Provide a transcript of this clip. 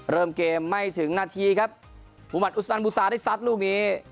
เริ่มเกมไม่ถึงนาทีครับมุมัติอุสตันบูซาได้ซัดลูกนี้